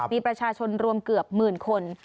มีประชาชนรวมเกือบหมื่นคน